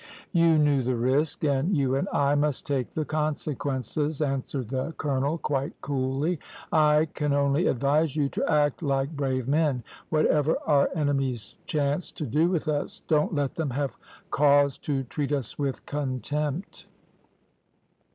"`You knew the risk, and you and I must take the consequences,' answered the colonel quite coolly. `I can only advise you to act like brave men, whatever our enemies chance to do with us; don't let them have cause to treat us with contempt.'